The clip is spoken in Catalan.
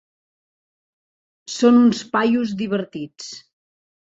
"Són uns paios divertits".